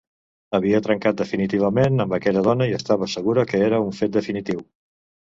Havia trencat definitivament amb aquella dona i estava segura que era un fet definitiu.